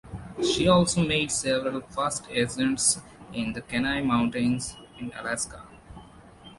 She also made several first ascents in the Kenai Mountains in Alaska.